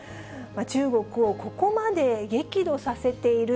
中国をここまで激怒させている